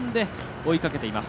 追いかけています。